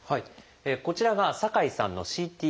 こちらが酒井さんのＣＴ画像です。